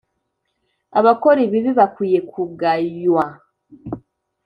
abakora ibibi bakwiye kugaywa.